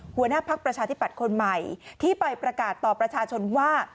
หัวหน้าพักประชาธิปัตย์คนใหม่ที่ไปประกาศต่อประชาชนว่า